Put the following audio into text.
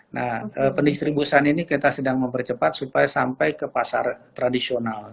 nah pendistribusian ini kita sedang mempercepat supaya sampai ke pasar tradisional